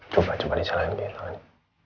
coba coba di silangin begini